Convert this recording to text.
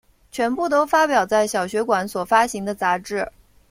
全部都发表在小学馆所发行的杂志。